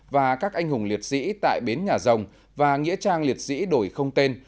và các anh hùng liệt sĩ tại bến nhà rồng và nghĩa trang liệt sĩ đổi không tên